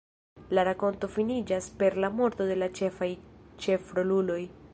La rakonto finiĝas per la morto de la ĉefaj ĉefroluloj.